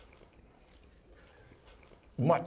うまい。